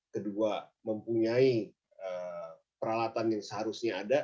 kedua mempunyai peralatan yang seharusnya ada